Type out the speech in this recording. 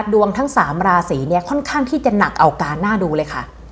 ดวงทั้ง๓ราศีเนี่ยค่อนข้างที่จะหนักเอาการหน้าดูเลยค่ะ